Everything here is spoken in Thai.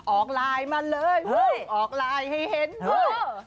ออกไลน์มาเลยเฮ้ยออกไลน์ให้เห็นด้วย